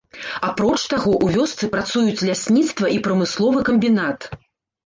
Апроч таго, у вёсцы працуюць лясніцтва і прамысловы камбінат.